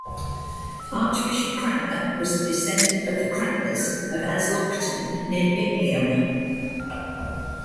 Archbishop Cranmer was a descendant of the Cranmers of Aslockton near Bingliam.